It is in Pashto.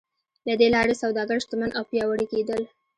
له دې لارې سوداګر شتمن او پیاوړي کېدل.